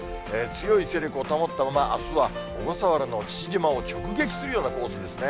強い勢力を保ったまま、あすは小笠原の父島を直撃するようなコースですね。